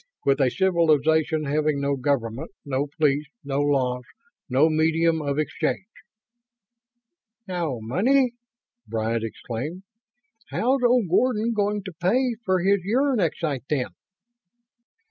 "With a civilization having no government, no police, no laws, no medium of exchange ..." "No money?" Bryant exclaimed. "How's old Gordon going to pay for his uranexite, then?"